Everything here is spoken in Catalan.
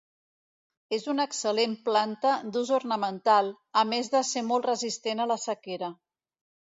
És una excel·lent planta d'ús ornamental, a més de ser molt resistent a la sequera.